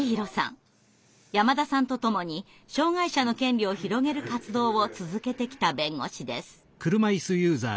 山田さんと共に障害者の権利を広げる活動を続けてきた弁護士です。